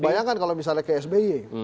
bayangkan kalau misalnya ke sby